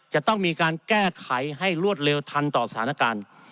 จะต้องมีการแก้ไขให้รวดเร็วทันต่อสถานการณ์